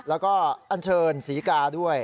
แล้วก็อันเชิญศรีกาด้วย